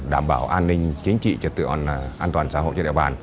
đảm bảo an ninh chính trị trật tự an toàn xã hội trên địa bàn